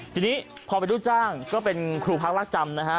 ทีนี้พอเป็นลูกจ้างก็เป็นครูพักรักจำนะฮะ